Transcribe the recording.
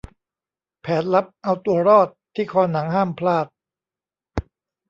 แผนลับเอาตัวรอดที่คอหนังห้ามพลาด